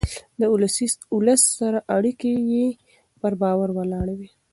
د ولس سره اړيکه يې پر باور ولاړه وه.